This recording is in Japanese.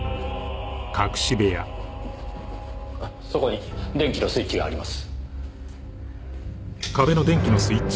そこに電気のスイッチがあります。